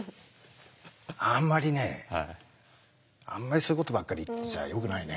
あんまりねあんまりそういうことばっかり言ってちゃよくないね。